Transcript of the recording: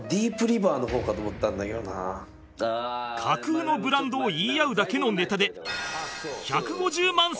架空のブランドを言い合うだけのネタで